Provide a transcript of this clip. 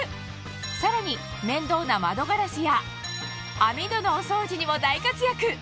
さらに面倒な窓ガラスや網戸のお掃除にも大活躍！